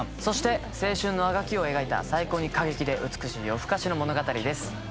そして青春のあがきを描いた最高に過激で美しい夜更かしの物語です。